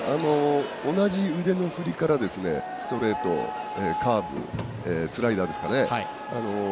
同じ腕の振りからストレート、カーブスライダーですかね。